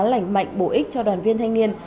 lành mạnh bổ ích cho đoàn viên thanh niên